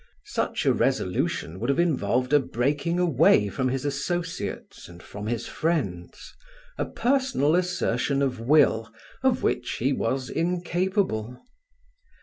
Such a resolution would have involved a breaking away from his associates and from his friends; a personal assertion of will of which he was incapable.